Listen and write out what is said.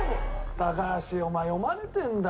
高橋お前読まれてんだよ。